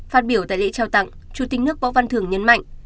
phát biểu tại lễ trao tặng chủ tịch nước võ văn thường nhấn mạnh